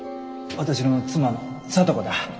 私の妻の聡子だ。